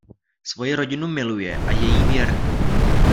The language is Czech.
Svoji rodinu miluje a je jí věrný.